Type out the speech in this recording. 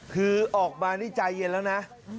คือออกมานี่ใจเย็นแล้วนะ